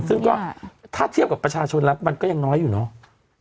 ซึ่งก็ถ้าเทียบกับประชาชนแล้วมันก็ยังน้อยอยู่เนาะ